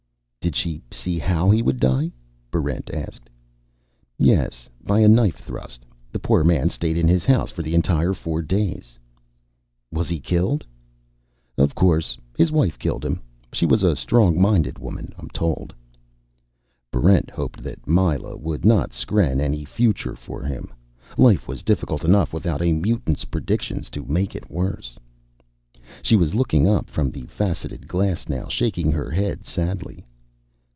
"Did she see how he would die?" Barrent asked. "Yes. By a knife thrust. The poor man stayed in his house for the entire four days." "Was he killed?" "Of course. His wife killed him. She was a strong minded woman, I'm told." Barrent hoped that Myla wouldn't skren any future for him. Life was difficult enough without a mutant's predictions to make it worse. She was looking up from the faceted glass now, shaking her head sadly.